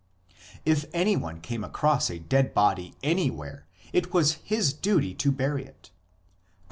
If anyone came across a dead body any where it was his duty to bury it (cp.